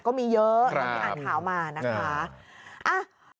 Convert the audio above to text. ก็มีเยอะอ่านข่าวมานะคะ